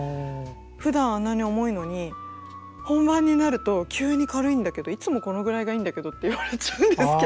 ふだんあんなに重いのに本番になると急に軽いんだけどいつもこのぐらいがいいんだけどって言われちゃうんですけど。